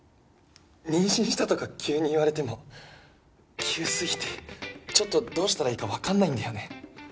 妊娠したとか急に言われても急すぎてちょっとどうしたらいいかわかんないんだよね。